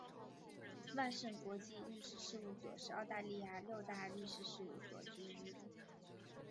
万盛国际律师事务所是澳大利亚六大律师事务所之一。